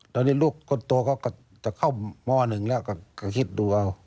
ตอนนี้ลูกคนโตเขาก็จะเข้าม๑แล้วก็คิดดูเอา